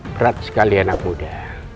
berat sekali anak muda